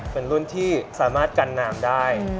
เป็นรุ่นที่สามารถกันนามได้๒๐๐เมตร